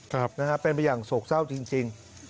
ครับนะฮะเป็นไปอย่างโศกเศร้าจริง